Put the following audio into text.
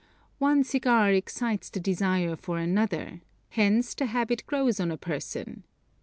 One cigar excites the desire for another, hence the habit grows on a person.